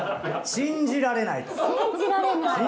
信じられない。